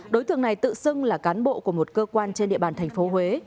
đối tượng này tự xưng là cán bộ của một cơ quan trên địa bàn thành phố huế